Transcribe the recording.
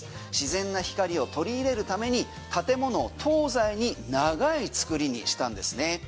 自然な光を取り入れるために建物を東西に長い作りにしたんですね。